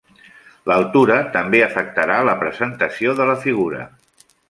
L'altura també afectarà la presentació de la figura.